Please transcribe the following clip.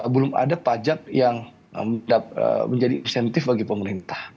belum ada pajak yang menjadi insentif bagi pemerintah